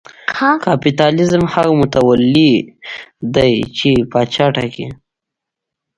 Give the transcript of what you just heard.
کاپیتالېزم هغه متولي دی چې پاچا ټاکي.